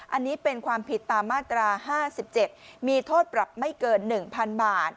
อันนี้เป็นความผิดตามมาตรา๕๗มีโทษปรับไม่เกิน๑๐๐๐บาท